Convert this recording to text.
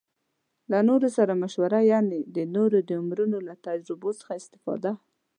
له نورو سره مشوره يعنې د نورو د عمرونو له تجربو څخه استفاده